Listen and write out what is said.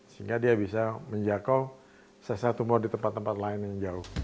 sehingga dia bisa menjaga sesatuma di tempat tempat lain yang jauh